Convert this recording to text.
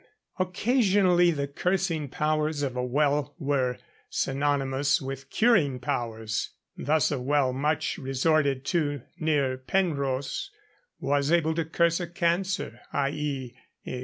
Occasionally the cursing powers of a well were synonymous with curing powers. Thus a well much resorted to near Penrhos, was able to curse a cancer, i.e.